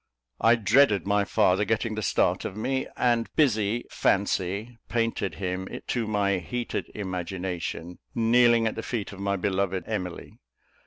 I dreaded my father getting the start of me; and busy fancy painted him, to my heated imagination, kneeling at the feet of my beloved Emily.